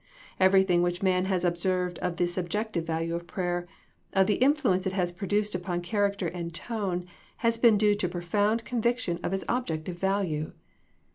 Every thing which man has observed of the subjective value of prayer, of the influence it has produced upon character and tone, has been due to pro found conviction of its objective value.